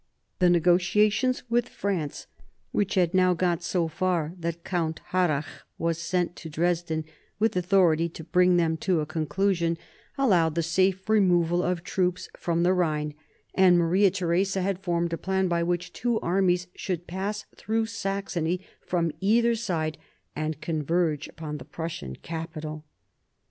The negotiations with France, which had now got so far that Count Harrach was sent to Dresden with authority to bring them to a conclusion, allowed the 44 MARIA THERESA chap, ii safe removal of troops from the Ehine ; and Maria Theresa had formed a plan by which two armies should pass through Saxony from either side and converge upon the Prussian capital.